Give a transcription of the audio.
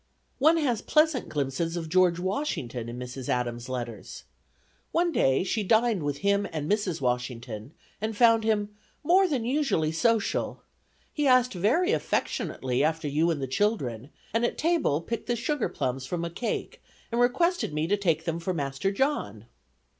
One has pleasant glimpses of George Washington, in Mrs. Adams' letters. One day she dined with him and Mrs. Washington and found him "more than usually social. ... He asked very affectionately after you and the children, and at table picked the sugar plums from a cake, and requested me to take them for master John."